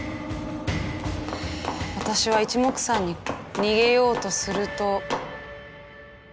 私はいちもくさんに逃げようとすると。